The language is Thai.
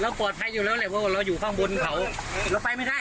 เราปวดไฟอยู่แล้วเลยว่าเราอยู่ข้างบนเขาเราไปไม่ได้